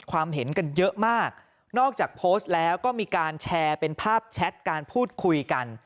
เห็นกันเยอะมากนอกจากโพสต์แล้วก็มีการแชร์เป็นภาพแชทการพูดคุยกัน